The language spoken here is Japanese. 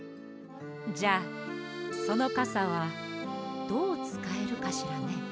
じゃあそのカサはどうつかえるかしらね。